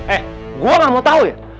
eh gue gak mau tahu ya